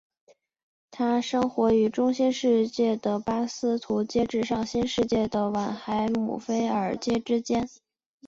它生活于中新世的巴斯图阶至上新世的晚亥姆菲尔阶之间。